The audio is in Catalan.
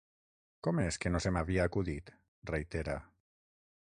Com és que no se m'havia acudit? —reitera.